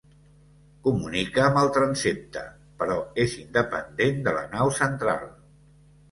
Comunica amb el transsepte però és independent de la nau central.